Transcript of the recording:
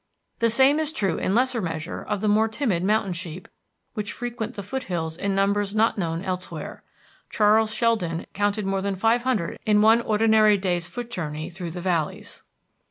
The same is true in lesser measure of the more timid mountain sheep which frequent the foothills in numbers not known elsewhere. Charles Sheldon counted more than five hundred in one ordinary day's foot journey through the valleys.